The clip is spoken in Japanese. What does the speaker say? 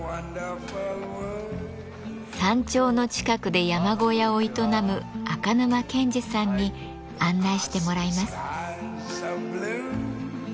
山頂の近くで山小屋を営む赤沼健至さんに案内してもらいます。